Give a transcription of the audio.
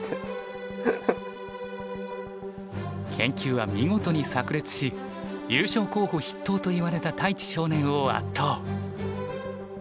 研究は見事にさく裂し優勝候補筆頭といわれた太地少年を圧倒。